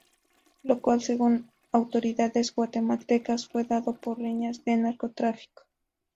Lo cual según autoridades guatemaltecas fue dado por riñas de narcotráfico.